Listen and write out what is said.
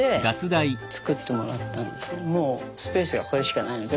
もうスペースがこれしかないので。